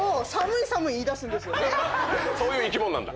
そういう生き物なんだ？